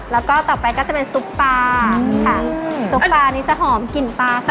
แล้วก็ต่อไปก็จะเป็นซุปปลาค่ะซุปปลานี้จะหอมกลิ่นปลาค่ะ